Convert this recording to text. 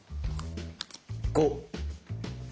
５！